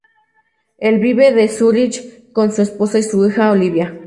Él vive en Zúrich con su esposa y su hija Olivia.